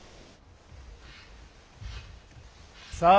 さあ！